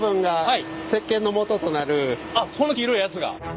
あっこの黄色いやつが。